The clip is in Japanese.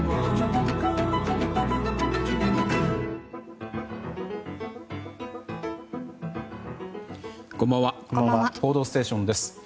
「報道ステーション」です。